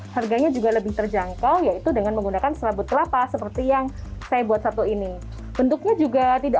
harganya juga lebih terjangkau yaitu dengan menggunakan serabut kelapa seperti yang saya buat satu ini bentuknya juga tidak